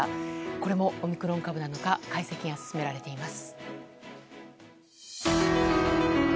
これもオミクロン株なのか解析が進められています。